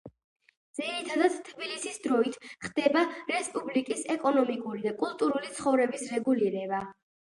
ძირითადად თბილისის დროით ხდება რესპუბლიკის ეკონომიკური და კულტურული ცხოვრების რეგულირება.